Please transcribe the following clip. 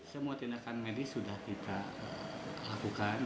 semua tindakan medis sudah kita lakukan